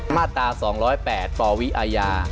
มาตรา๒๐๘ปวิย